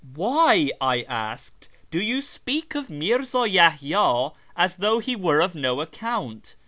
" Why," .1 asked, " do you speak of Mirza Yahya as though he were of no account